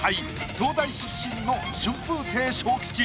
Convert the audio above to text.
東大出身の春風亭昇吉。